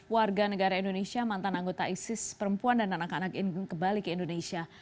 enam ratus enam puluh warga negara indonesia mantan anggota isis perempuan dan anak anak kembali ke indonesia